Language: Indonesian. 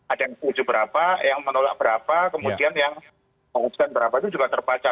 ada yang setuju berapa yang menolak berapa kemudian yang memutuskan berapa itu juga terbaca